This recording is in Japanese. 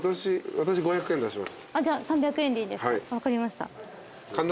じゃあ３００円でいいですか分かりました。